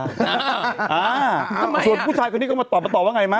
อ่าส่วนผู้ชายคนนี้ก็มาตอบมาตอบว่าไงไหม